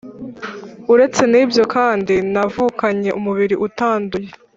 uretse n’ibyo kandi, navukanye umubiri utanduye.